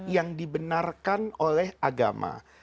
yang dibenarkan oleh agama